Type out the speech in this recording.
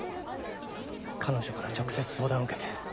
彼女から直接相談を受けて。